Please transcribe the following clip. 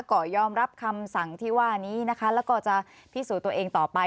ก็ยอมรับคำสั่งที่ว่านี้นะคะแล้วก็จะพิสูจน์ตัวเองต่อไป